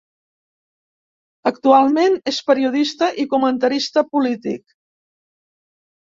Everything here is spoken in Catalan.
Actualment, és periodista i comentarista polític.